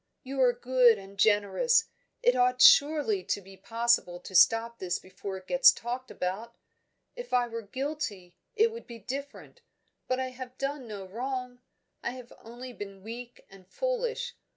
You are good and generous It ought surely to be possible to stop this before it gets talked about? If I were guilty, it would be different. But I have done no wrong; I have only been weak and foolish.